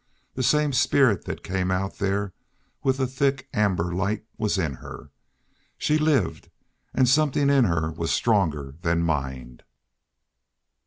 The same spirit that came out there with the thick, amber light was in her. She lived, and something in her was stronger than mind.